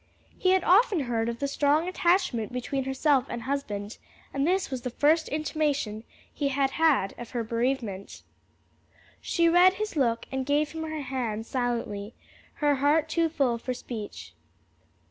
He had often heard of the strong attachment between herself and husband, and this was the first intimation he had had of her bereavement. She read his look and gave him her hand silently, her heart too full for speech.